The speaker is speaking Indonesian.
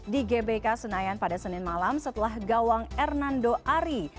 di gbk senayan pada senin malam setelah gawang hernando ari